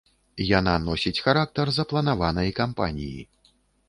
Яна носіць характар запланаванай кампаніі.